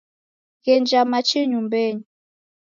Ghenja machi nyumbenyi.